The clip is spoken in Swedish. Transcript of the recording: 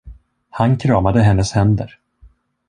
Han kramade hennes händer.